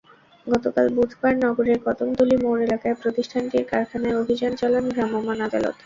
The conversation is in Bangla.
গতকাল বুধবার নগরের কদমতলী মোড় এলাকায় প্রতিষ্ঠানটির কারখানায় অভিযান চালান ভ্রাম্যমাণ আদালত।